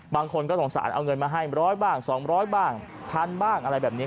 บางคนก็สงสารเอาเงินมาให้ร้อยบ้างสองร้อยบ้างพันบ้างอะไรแบบนี้